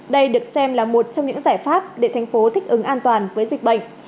đây được xem là một trong những giải pháp để thành phố thích ứng an toàn với dịch bệnh